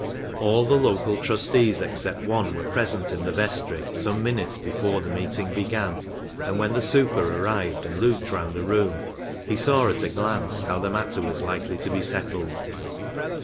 All the local trustees except one were present in the vestry some minutes before the meeting began, and when the super arrived and looked round the room he saw at a glance how the matter was likely to be settled.